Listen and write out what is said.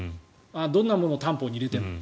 どんなものを担保に入れても。